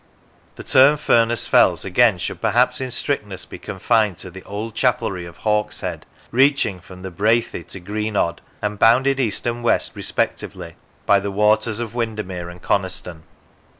The term Furness Fells, again, should perhaps, in strictness, be confined to the old chapelry of Hawkshead, reaching from the Brathay to Greenodd, and bounded east and west respectively by the waters of Windermere and Coniston.